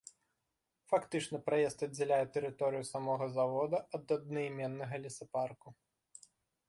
Фактычна праезд аддзяляе тэрыторыю самога завода ад аднайменнага лесапарку.